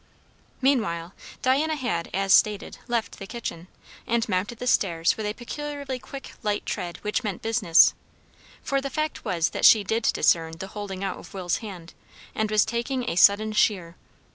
Meanwhile. Diana had, as stated, left the kitchen, and mounted the stairs with a peculiarly quick, light tread which meant business; for the fact was that she did discern the holding out of Will's hand, and was taking a sudden sheer.